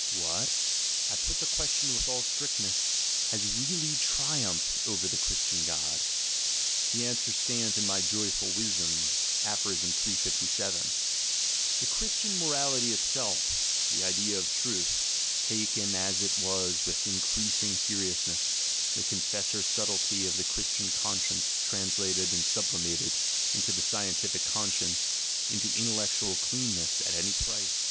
What, I put the question with all strictness, has really triumphed over the Christian God? The answer stands in my Joyful Wisdom, Aph. 357: "the Christian morality itself, the idea of truth, taken as it was with increasing seriousness, the confessor subtlety of the Christian con science translated and sublimated into the scientific con science into intellectual cleanness at any price.